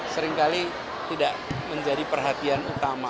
seringkali tidak menjadi perhatian utama